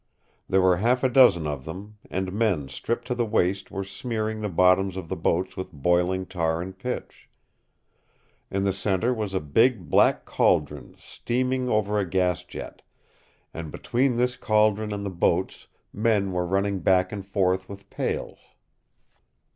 There were half a dozen of them, and men stripped to the waist were smearing the bottoms of the boats with boiling tar and pitch. In the center was a big, black cauldron steaming over a gas jet, and between this cauldron and the boats men were running back and forth with pails.